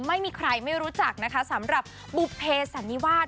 ไม่มีใครไม่รู้จักนะคะสำหรับบุภเพสันนิวาส